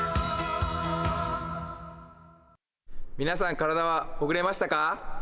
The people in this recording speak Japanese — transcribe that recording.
皆さん、体はほぐれましたか？